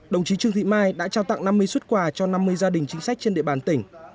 đồng chí trương thị mai đã trao tặng năm mươi xuất quà cho năm mươi gia đình chính sách trên địa bàn tỉnh